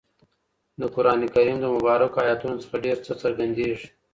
د قرانکریم له مبارکو ایتونو څخه ډېر څه څرګندیږي.